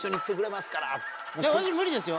私無理ですよ